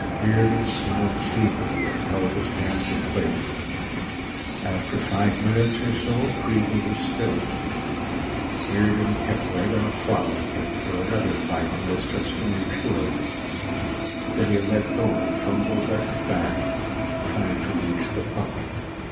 Riordan smiled sleepily and held his hands in place. After five minutes or so Kreega was still. Riordan kept right on throttling him for another five minutes, just to make sure. Then he let go and fumbled at his back, trying to reach the pump.